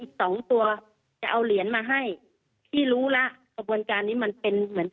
สองตัวจะเอาเหรียญมาให้พี่รู้แล้วกระบวนการนี้มันเป็นเหมือน